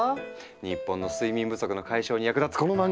日本の睡眠不足の解消に役立つこの漫画！